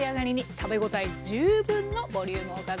食べごたえ十分のボリュームおかずです。